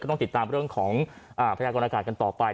ต้องติดตามเรื่องของพยากรณากาศกันต่อไป